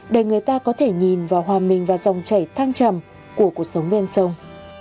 để người ta có thể nhìn vào hòa minh và dòng chảy thăng trầm của cuộc sống ven sông